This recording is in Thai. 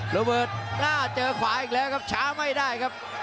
ระเบิดหน้าเจอขวาอีกแล้วครับช้าไม่ได้ครับ